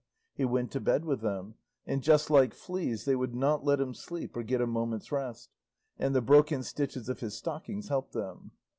He went to bed with them, and just like fleas they would not let him sleep or get a moment's rest, and the broken stitches of his stockings helped them.